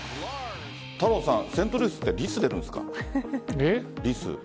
太郎さん、セントルイスってリス出るんですか？